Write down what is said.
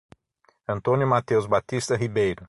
Antônio Mateus Batista Ribeiro